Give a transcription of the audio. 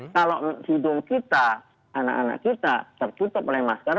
kalau hidung kita anak anak kita tertutup oleh masker